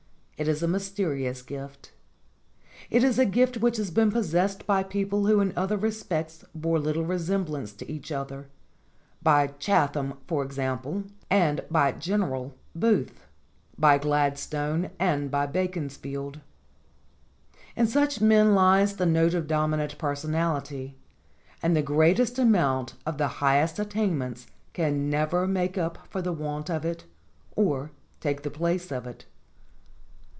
It is a mysterious gift. It is a gift which has been possessed by people who in other respects bore little resemblance to each other by Chatham, for example, and by General Booth; by Gladstone and by Beaconsfield. In such men lies the note of dominant personality, and the greatest amount of the highest attainments can never make up for the want of it or take the place of it.